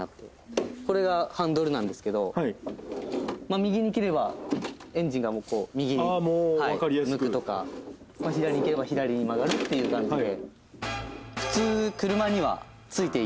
右に切ればエンジンが右に向くとか左に切れば左に曲がるという感じで。